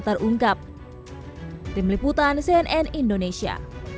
terungkap tim liputan cnn indonesia